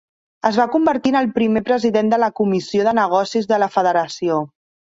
Es va convertir en el primer president de la Comissió de Negocis de la federació.